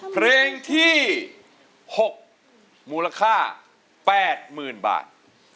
เพลงที่๖มูลค่า๘๐๐๐บาท